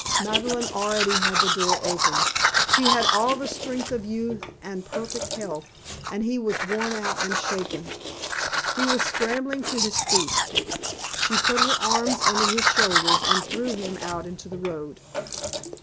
Madeleine already had the door open. She had all the strength of youth and perfect health, and he was worn out and shaken. He was scrambling to his feet. She put her arms under his shoulders and threw him out into the road.